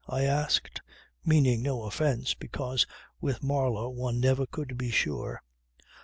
I asked, meaning no offence, because with Marlow one never could be sure.